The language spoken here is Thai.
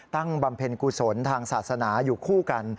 บำเพ็ญกุศลทางศาสนาอยู่คู่กัน